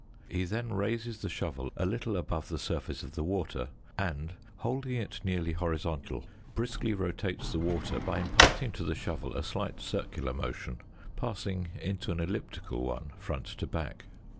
He then raises the shovel a little above the surface of the water, and, holding it nearly horizontal, briskly rotates the water by imparting to the shovel a slight circular motion, passing into an elliptical one (front to back).